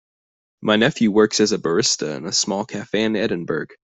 My nephew works as a barista in a small cafe in Edinburgh.